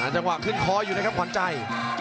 จังหวะขึ้นคออยู่นะครับขวัญใจ